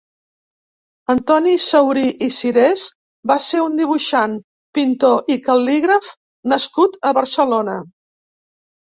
Antoni Saurí i Sirés va ser un dibuixant, pintor i cal·lígraf nascut a Barcelona.